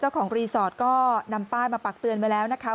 ของรีสอร์ทก็นำป้ายมาปักเตือนไว้แล้วนะคะ